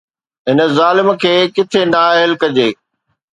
هن ظالم کي ڪٿي نااهل ڪجي؟